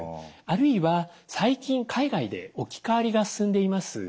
あるいは最近海外で置き換わりが進んでいます